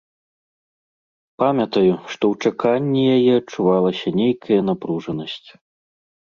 Памятаю, што ў чаканні яе адчувалася нейкая напружанасць.